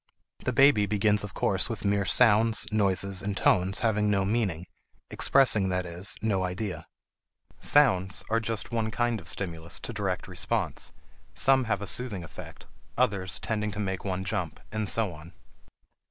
The baby begins of course with mere sounds, noises, and tones having no meaning, expressing, that is, no idea. Sounds are just one kind of stimulus to direct response, some having a soothing effect, others tending to make one jump, and so on.